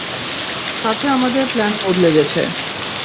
সাথে আমাদের প্ল্যান বদলে গেছে।